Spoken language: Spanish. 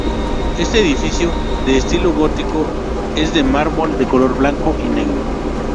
Este edificio, de estilo gótico, es de mármol de color blanco y negro.